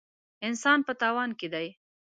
انسان په تاوان کې دی.